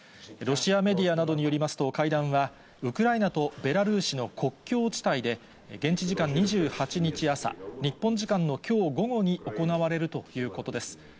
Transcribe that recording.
ロシアメディアなどによりますと、会談はウクライナとベラルーシの国境地帯で、現地時間２８日朝、日本時間のきょう午後に行われるということです。